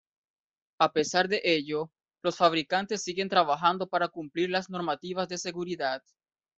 A pesar de ello, los fabricantes siguen trabajando para cumplir las normativas de seguridad.